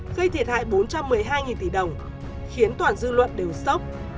gây thiệt hại bốn trăm một mươi hai tỷ đồng khiến toàn dư luận đều sốc